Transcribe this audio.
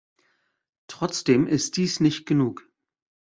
Trotzdem ist dies nicht genug.